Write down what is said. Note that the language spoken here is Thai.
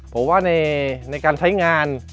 ผมว่าในการใช้งาน